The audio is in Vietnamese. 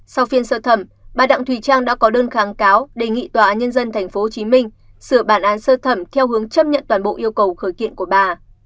sau phiên sơ thẩm bà đặng thùy trang đã có đơn kháng cáo đề nghị tòa án nhân dân tp hcm sửa bản án sơ thẩm theo hướng chấp nhận toàn bộ yêu cầu khởi kiện của bà